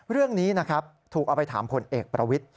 เรื่องนี้นะครับถูกเอาไปถามพลเอกประวิทธิ